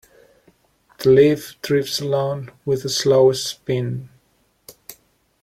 The leaf drifts along with a slow spin.